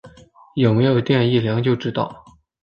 有没有电一量就知道